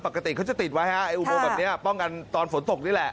ปกติเขาจะติดไว้ฮะไอ้อุโมงแบบนี้ป้องกันตอนฝนตกนี่แหละ